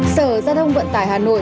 sở gia thông vận tải hà nội